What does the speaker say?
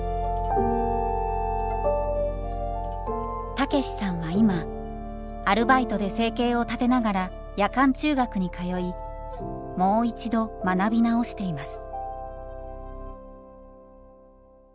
たけしさんは今アルバイトで生計を立てながら夜間中学に通いもう一度学び直しています。